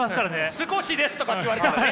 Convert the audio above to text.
「少しです」とかって言われたらね！